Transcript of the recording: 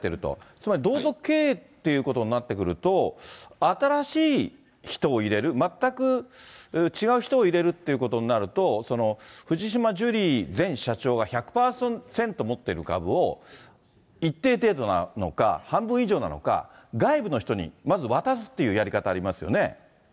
つまり同族経営っていうことになってくると、新しい人を入れる、全く違う人を入れるっていうことになると、藤島ジュリー前社長が１００％持っている株を、一定程度なのか、半分以上なのか、外部の人にまず渡すっていうやり方ありますよね。